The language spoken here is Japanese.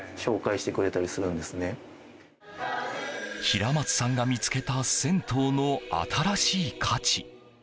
平松さんが見つけた銭湯の新しい価値。